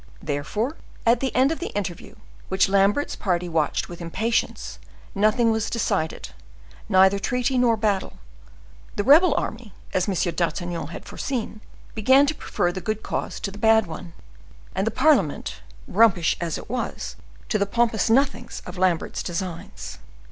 Therefore, at the end of the interview, which Lambert's party watched with impatience, nothing was decided—neither treaty nor battle—the rebel army, as M. d'Artagnan had foreseen, began to prefer the good cause to the bad one, and the parliament, rumpish as it was, to the pompous nothings of Lambert's designs.